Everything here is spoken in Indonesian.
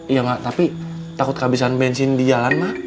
iya mbak tapi takut kehabisan bensin di jalan mbak